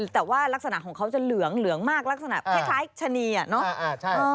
แต่ว่ารักษณะของเขาจะเหลืองมากลักษณะคล้ายชะนีอะเนาะ